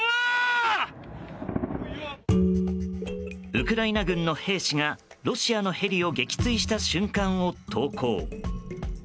ウクライナ軍の兵士がロシアのヘリを撃墜した瞬間を投稿。